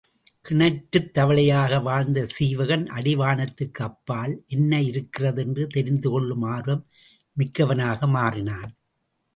கிணற்றுத் தவளையாக வாழ்ந்த சீவகன் அடிவானத்துக்கு அப்பால் என்ன இருக்கிறது என்று தெரிந்து கொள்ளும் ஆர்வம் மிக்கவனாக மாறினான்.